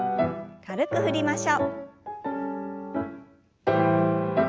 軽く振りましょう。